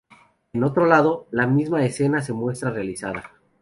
En el otro lado, la misma escena se muestra realizada.